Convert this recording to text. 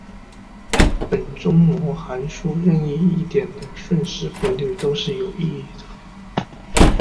本征模函数任意一点的瞬时频率都是有意义的。